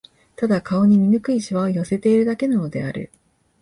ただ、顔に醜い皺を寄せているだけなのである